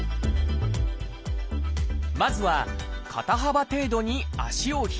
まずは肩幅程度に足を開きます。